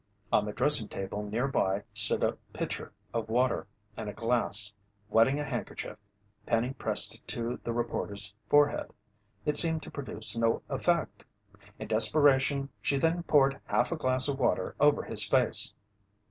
On the dressing table nearby stood a pitcher of water and a glass. Wetting a handkerchief, Penny pressed it to the reporter's forehead. It seemed to produce no effect. In desperation, she then poured half a glass of water over his face.